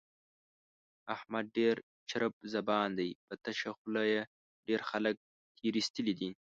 احمد ډېر چرب زبان دی، په تشه خوله یې ډېر خلک تېر ایستلي دي.